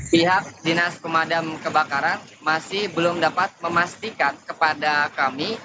pihak dinas pemadam kebakaran masih belum dapat memastikan kepada kami